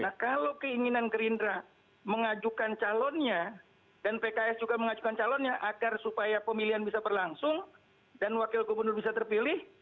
nah kalau keinginan gerindra mengajukan calonnya dan pks juga mengajukan calonnya agar supaya pemilihan bisa berlangsung dan wakil gubernur bisa terpilih